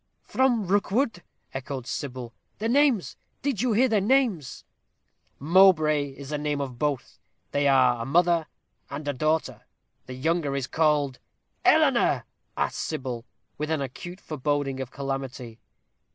"From Rookwood?" echoed Sybil. "Their names did you hear their names?" "Mowbray is the name of both; they are a mother and a daughter; the younger is called " "Eleanor?" asked Sybil, with an acute foreboding of calamity.